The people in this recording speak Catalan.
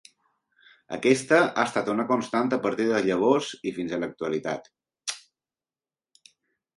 Aquesta ha estat una constant a partir de llavors i fins a l'actualitat.